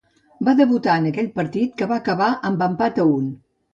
Va debutar en aquell partit que va acabar amb empat a un.